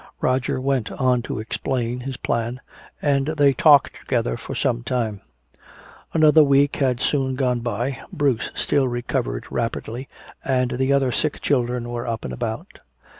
Roger went on to explain his plan, and they talked together for some time. Another week had soon gone by. Bruce still recovered rapidly, and the other sick children were up and about.